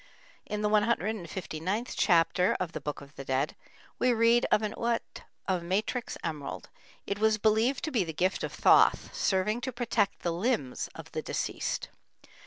In the 159th chapter of the Book of the Dead, we read of an uat of matrix emerald; it was believed to be the gift of Thoth, serving to protect the limbs of the deceased.